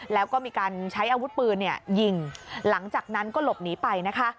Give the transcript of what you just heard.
แล้วก็มีการใช้อาวุธปืนยิงหลังจากนั้นก็หลบหนีไปนะคะ